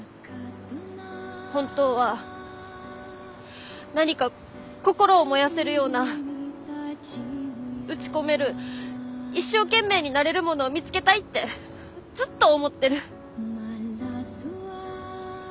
本当は何か心を燃やせるような打ち込める一生懸命になれるものを見つけたいってずっと思ってる。